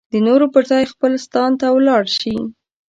د نورو پر ځای خپل ستان ته ولاړ شي.